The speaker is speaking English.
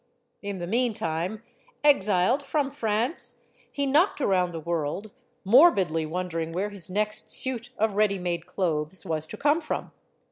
In the meantime, exiled from France, he knocked around the world, morbidly won dering where his next suit of ready made clothes was to come from.